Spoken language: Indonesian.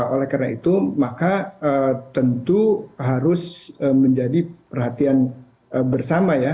oleh karena itu maka tentu harus menjadi perhatian bersama ya